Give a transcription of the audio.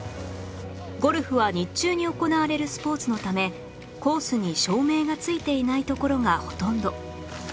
ゴルフは日中に行われるスポーツのためコースに照明がついていない所がほとんど